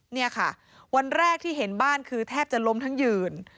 เนี่ยค่ะวันแรกที่เห็นบ้านคือแทบจะล้มทั้งยืน